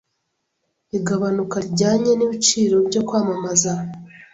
igabanuka rijyanye n'ibiciro byo kwamamaza